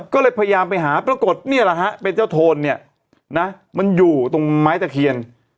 ก็เลยพยายามไปหาปรากฏเป็นเจ้าโทนมันอยู่ตรงไม้ตะเคียน